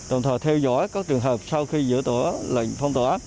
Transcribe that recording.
đồng thời theo dõi các trường hợp sau khi dỡ tỏa lệnh phong tỏa